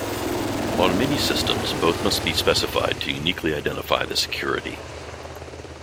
On many systems both must be specified to uniquely identify the security.